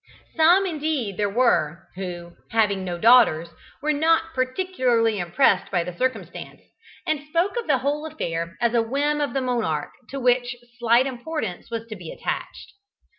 Some indeed there were, who, having no daughters, were not particularly impressed by the circumstance, and spoke of the whole affair as a whim of the monarch to which slight importance was to be attached.